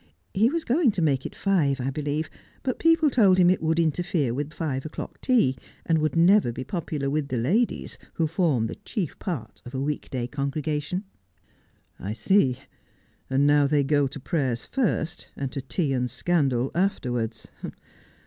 He was going to make it five, I believe, but people told him it would interfere with five o'clock tea, aud would never be popular with the ladies, who form the chief part of a week day congregation.' ' I see. And now they go to prayers first, and to tea and scandal afterwards.